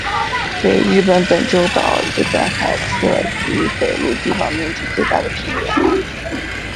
为日本本州岛日本海侧与北陆地方面积最大的平原。